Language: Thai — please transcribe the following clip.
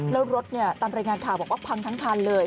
แล้วรถตามรายงานข่าวบอกว่าพังทั้งคันเลย